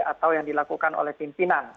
atau yang dilakukan oleh pimpinan